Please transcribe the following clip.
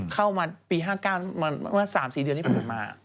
เข้ามาปี๕๙เมื่อ๓๔เดือนที่ผ่านมา